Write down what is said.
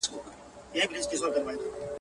خوب مي دی لیدلی جهاني ریشتیا دي نه سي.